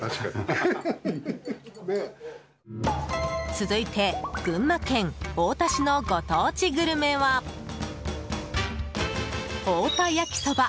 続いて、群馬県太田市のご当地グルメは太田焼きそば。